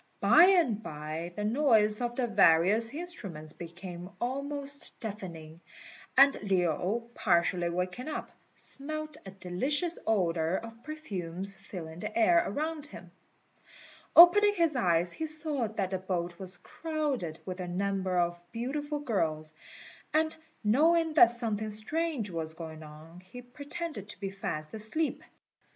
By and by the noise of the various instruments became almost deafening, and Lin, partially waking up, smelt a delicious odour of perfumes filling the air around him. Opening his eyes, he saw that the boat was crowded with a number of beautiful girls; and knowing that something strange was going on, he pretended to be fast asleep.